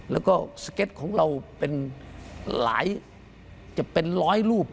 แล้วก็สเก็ตของเราเป็นหลายจะเป็นร้อยรูป